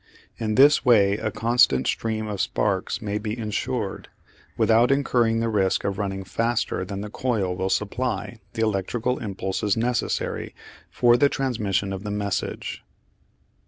In this way a constant stream of sparks may be ensured, without incurring the risk of running faster than the coil will supply the electrical impulses necessary for the transmission of the message.